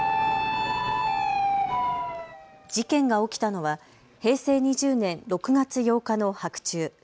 事件が起きたのは平成２０年６月８日の白昼。